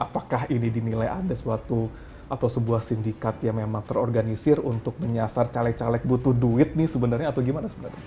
apakah ini dinilai ada suatu atau sebuah sindikat yang memang terorganisir untuk menyasar caleg caleg butuh duit nih sebenarnya atau gimana sebenarnya